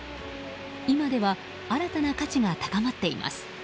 今では新たな価値が高まっています。